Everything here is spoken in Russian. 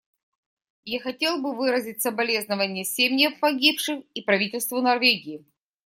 Я хотел бы выразить соболезнование семьям погибших и правительству Норвегии.